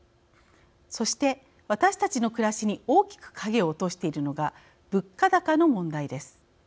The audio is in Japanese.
そして、私たちの暮らしに大きく影を落としているのが物価高の問題です。